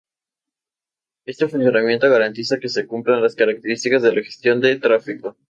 Este funcionamiento garantiza que se cumplen las características de la gestión de tráfico.